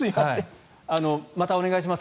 またお願いします。